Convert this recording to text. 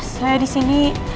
saya di sini